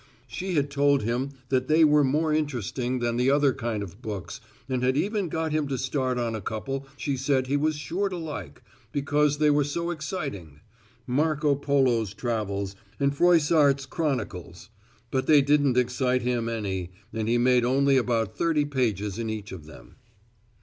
She had told him that they were more interesting than the other kind of books and had even got him to start on a couple she said he was sure to like, because they were so exciting Marco Polo's Travels and Froissart's Chronicles but they didn't excite him any, and he made only about thirty pages in each of them.